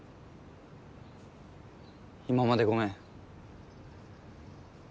今までごめん。